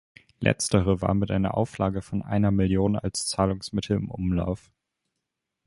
Letztere war mit einer Auflage von einer Million als Zahlungsmittel im Umlauf.